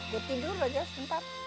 gue tidur aja sebentar